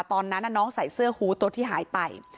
ตอนนั้นน้องใส่เสื้อฮูตัวที่หายไป